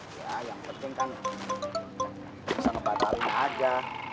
ya yang penting kan bisa ngebatalin aja